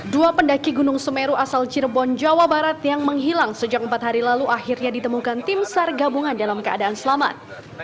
dua pendaki gunung semeru asal cirebon jawa barat yang menghilang sejak empat hari lalu akhirnya ditemukan tim sar gabungan dalam keadaan selamat